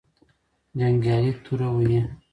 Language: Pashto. جنګیالي توره وهې.